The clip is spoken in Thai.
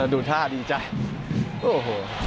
ดูท่าดีจัง